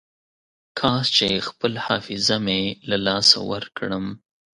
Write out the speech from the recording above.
کاش چې خپله حافظه مې له لاسه ورکړم.